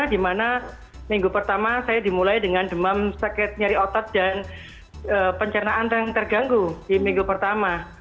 di mana minggu pertama saya dimulai dengan demam sakit nyari otot dan pencernaan yang terganggu di minggu pertama